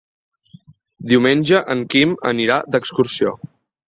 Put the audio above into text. Diumenge en Quim anirà d'excursió.